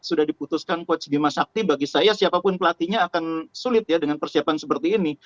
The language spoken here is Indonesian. sudah diputuskan coach bima sakti bagi saya siapapun pelatihnya akan sulit ya dengan persiapan seperti ini